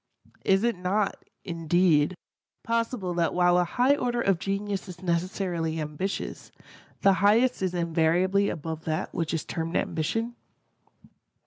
Is it not, indeed, possible that while a high order of genius is necessarily ambitious, the highest is invariably above that which is termed ambition?